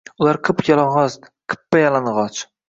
Ular qip-yalong’och, qippa yalang’och